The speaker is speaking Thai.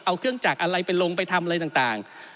เอาเครื่องจักรอะไรไปลงไปทำอะไรต่าง